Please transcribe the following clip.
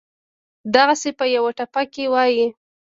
دغسې پۀ يوه ټپه کښې وائي: